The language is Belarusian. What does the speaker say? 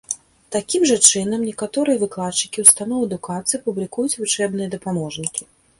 Такім жа чынам некаторыя выкладчыкі ўстаноў адукацыі публікуюць вучэбныя дапаможнікі.